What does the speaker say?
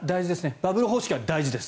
バブル方式は大事です。